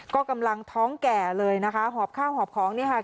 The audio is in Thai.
ก็กำลังท้องแก่เลยนะคะหอบข้าวหอบของนี่ค่ะ